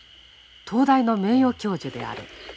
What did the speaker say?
東大の名誉教授である。